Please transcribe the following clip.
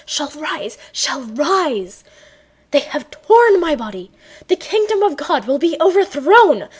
shall rise... shall rise. They have torn my body. The kingdom of God will be overthrown...